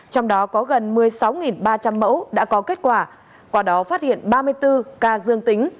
trong đó có gần một mươi sáu ba trăm linh mẫu đã có kết quả qua đó phát hiện ba mươi bốn ca dương tính